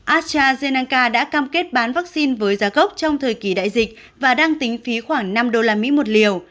astrazeneanca đã cam kết bán vaccine với giá gốc trong thời kỳ đại dịch và đang tính phí khoảng năm usd một liều